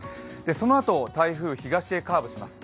そのあと、台風、東へカーブします